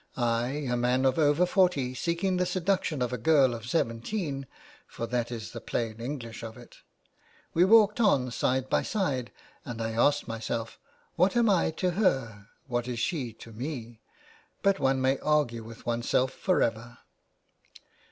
I, a man of over forty, seeking the seduction of a girl of seventeen — for that is the plain English of it. We walked on side by side, and I asked myself, ' what am I to her, what is she to me ?' But one may argue with oneselt for ever."